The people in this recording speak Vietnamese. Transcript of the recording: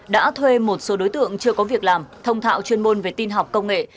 đã thuê một số đối tượng chưa có việc làm thông thạo chuyên môn về tin học công nghệ